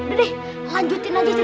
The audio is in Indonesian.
udah deh lanjutin aja ceritanya ya